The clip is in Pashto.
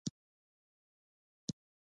شېرګل وويل پرنګيانو کې ښه خلک هم شته.